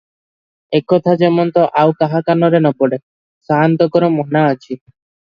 ଏ କଥା ଯେମନ୍ତ ଆଉ କାହା କାନରେ ନ ପଡେ ସାଆନ୍ତଙ୍କର ମନା ଅଛି ।"